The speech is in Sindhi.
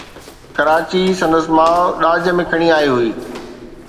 ڪراچي سندس ماءُ ڏاج ۾ کڻي آئي هئي.